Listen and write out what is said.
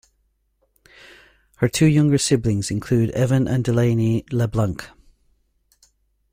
Her two younger siblings include Evan and Delaney LeBlanc.